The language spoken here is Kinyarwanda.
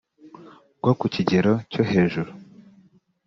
bwo ku kigero cyo hejuru